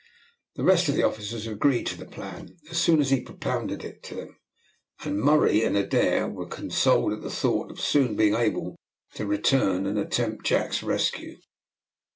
The rest of the officers agreed to the plan as soon as he propounded it to them, and Murray and Adair were consoled at the thought of soon being able to return and attempt Jack's rescue.